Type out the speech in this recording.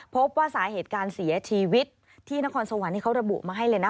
พบว่าสาเหตุการเสียชีวิตที่นครสวรรค์เขาระบุมาให้เลยนะ